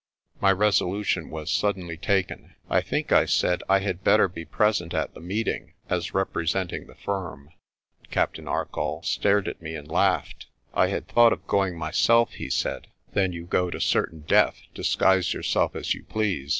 My resolution was suddenly taken. "I think," I said, "I had better be present at the meeting, as representing the firm." Captain Arcoll stared at me and laughed. "I had thought of going myself," he said. "Then you go to certain death, disguise yourself as you please.